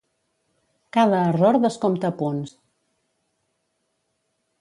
Cada error descompta punts.